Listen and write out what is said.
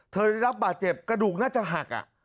ได้รับบาดเจ็บกระดูกน่าจะหัก